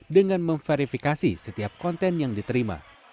dengan memverifikasi setiap konten yang diterima